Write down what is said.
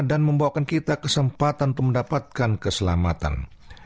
dan membawakan kita kesempatan untuk mendapatkan keselamatan